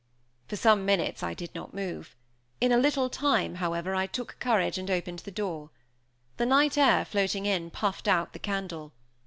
For some minutes I did not move. In a little time, however, I took courage, and opened the door. The night air floating in puffed out the candle.